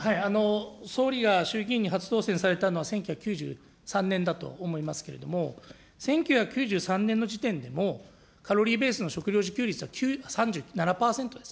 総理が衆議院に初当選されたのは１９９３年だと思いますけれども、１９９３年の時点でも、カロリーベースの食料自給率は３７％です。